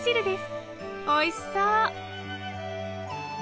おいしそう！